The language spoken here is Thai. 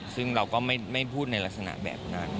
ซึ่งเราก็ไม่พูดในลักษณะแบบนั้น